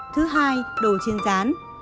thứ hai đồ chiên rán